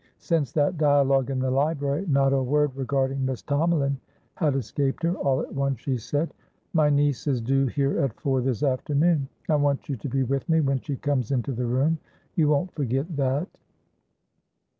Since that dialogue in the library, not a word regarding Miss Tomalin had escaped her; all at once she said: "My niece is due here at four this afternoon. I want you to be with me when she comes into the room. You won't forget that?"